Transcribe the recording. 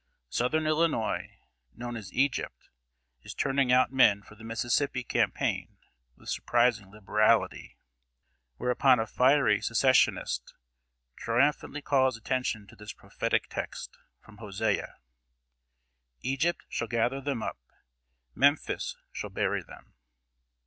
Southern Illinois, known as Egypt, is turning out men for the Mississippi campaign with surprising liberality; whereupon a fiery Secessionist triumphantly calls attention to this prophetic text, from Hosea: "Egypt shall gather them up; Memphis shall bury them!"